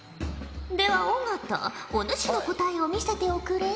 では尾形お主の答えを見せておくれ。